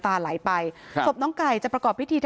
เขาไปอายุสั้นแบบเนี่ย